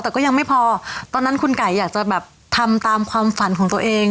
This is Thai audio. แต่ก็ยังไม่พอตอนนั้นคุณไก่อยากจะแบบทำตามความฝันของตัวเอง